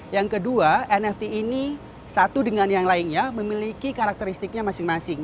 yang kedua nft ini satu dengan yang lainnya memiliki karakteristiknya masing masing